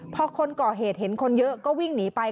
พอคนก่อเหตุเห็นคนเยอะก็วิ่งหนีไป